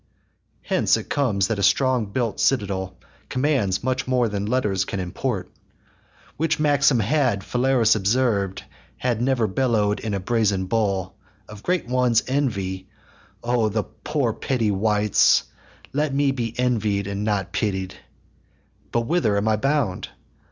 Hence comes it that a strong built citadel Commands much more than letters can import: Which maxim had Phalaris observ'd, H'ad never bellow'd, in a brazen bull, Of great ones' envy: o' the poor petty wights Let me be envied and not pitied. But whither am I bound?